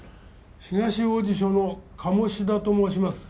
東王子署の鴨志田と申します。